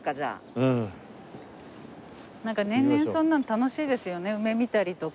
なんか年々そんなの楽しいですよね梅見たりとか。